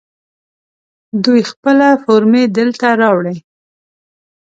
دوی خپله فورمې درته راوړي.